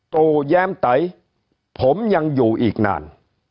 ตู่แย้มไตผมยังอยู่อีกนาน